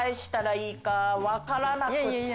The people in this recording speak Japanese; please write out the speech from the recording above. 分からなくって。